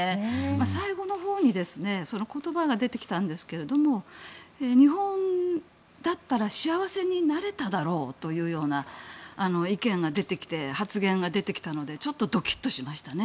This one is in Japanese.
最後のほうに言葉が出てきたんですが日本だったら幸せになれただろうというような意見が出てきて発言が出てきたのでちょっとドキッとしましたね。